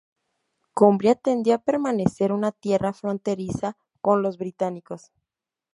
Cumbria tendió a permanecer una tierra fronteriza con los britanos.